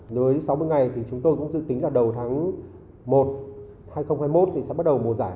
đối với sáu mươi ngày thì chúng tôi cũng dự tính là đầu tháng một hai nghìn hai mươi một thì sẽ bắt đầu mùa giải